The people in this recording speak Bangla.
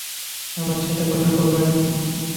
আমার সাথে কথা বলবে না?